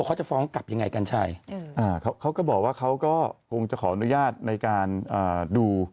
เขาจะฟ้องกลับยังไงกัญชัยเขาก็บอกว่าเขาก็คงจะขออนุญาตในการดู